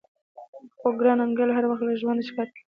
خو ګران ننګيال هر وخت له ژونده شکايت کوي.